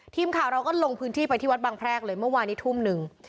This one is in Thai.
ทีมข่าวเราก็ลงพื้นที่ไปที่วัดบางแพรกเลยเมื่อวานนี้ทุ่มหนึ่ง